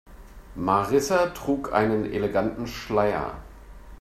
Marissa trug einen eleganten Schleier.